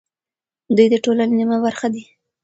دوی د ټولنې نیمه برخه ده.